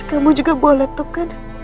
kamu juga bawa laptop kan